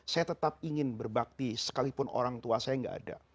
saya tetap ingin berbakti sekalipun orang tua saya tidak ada